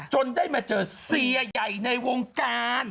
จนได้มาเจอเสียใหญ่ในวงการ